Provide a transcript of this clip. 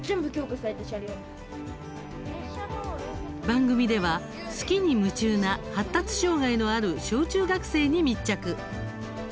番組では「好き」に夢中な発達障害のある小中学生に密着。